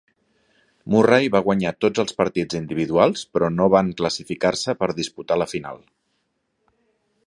Murray va guanyar tots els partits individuals però no van classificar-se per disputar la final.